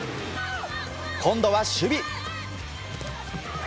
今度は守備。